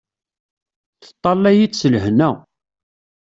Teṭṭalay-it s lhenna.